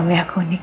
bisa bagus ditunjuk